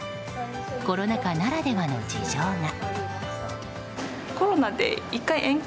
コロナ禍ならではの事情が。